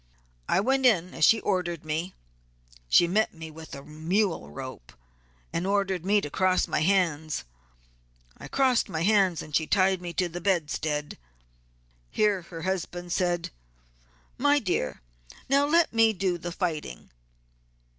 I went in as she ordered me; she met me with a mule rope, and ordered me to cross my hands. I crossed my hands and she tied me to the bedstead. Here her husband said, 'my dear, now let me do the fighting.'